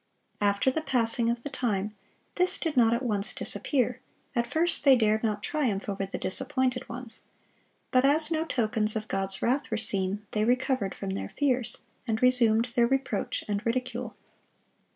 After the passing of the time, this did not at once disappear; at first they dared not triumph over the disappointed ones; but as no tokens of God's wrath were seen, they recovered from their fears, and resumed their reproach and ridicule.